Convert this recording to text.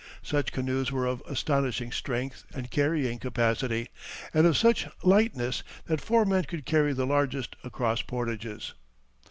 Such canoes were of astonishing strength and carrying capacity, and of such lightness that four men could carry the largest across portages.